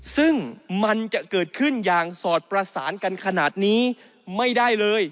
ซึ่งมันจะเกิดขึ้นอย่างสอดประสานกันขนาดนี้ไม่ได้เลย